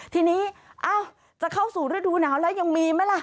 ทีนี้จะเข้าสู่ฤดูหนาวแล้วยังมีไหมล่ะ